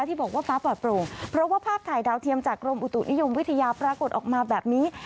ที่บอกว่าฟ้าปลอดโปร่งเพราะว่าภาพถ่ายดาวเทียมจากกรมอุตุนิยมวิทยาปรากฏออกมาแบบนี้